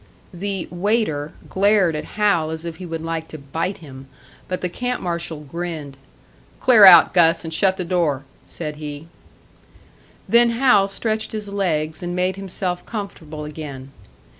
The "waiter" glared at Hal as if he would like to bite him; but the camp marshal grinned. "Clear out, Gus, and shut the door," said he. Then Hal stretched his legs and made himself comfortable again.